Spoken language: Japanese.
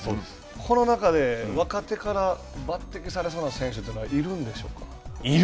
この中で若手から抜てきされそうな選手というのはいるんですよ。